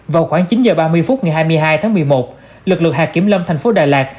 vào khoảng chín h ba mươi phút ngày hai mươi hai tháng một mươi một lực lượng hạt kiểm lâm thành phố đà lạt